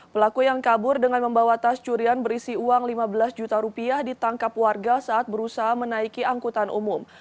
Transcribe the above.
pelaku yang kabur dengan membawa tas curian berisi uang lima belas juta rupiah ditangkap warga saat berusaha menaiki angkutan umum